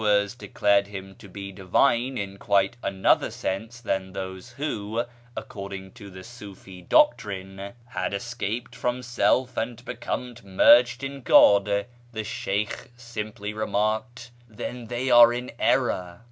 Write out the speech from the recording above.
AMONGST THE KALANDARS 519 declared him to be divine in quite another sense than those who, according to the Siifi doctrine, had escaped from self and become merged in God, the Sheykh simply remarked, " Then they are in error."